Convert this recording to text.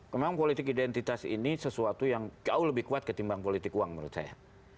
memang politik identitas ini sesuatu yang jauh lebih kuat ketimbang politik uang menurut saya